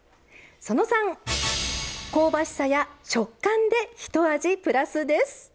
その３。香ばしさや食感でひと味プラスです。